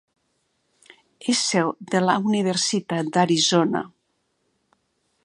És seu de la Universitat d'Arizona.